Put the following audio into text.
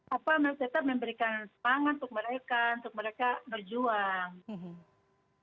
ya pak merced mayor memberikan penghargaan untuk mereka untuk mereka berjuang